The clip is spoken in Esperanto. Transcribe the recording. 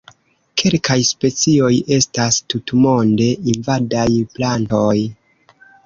Kelkaj specioj estas tutmonde invadaj plantoj.